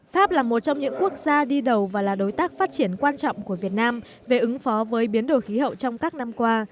pháp là một trong những quốc gia đi đầu và là đối tác phát triển quan trọng của việt nam về ứng phó với biến đổi khí hậu trong các năm qua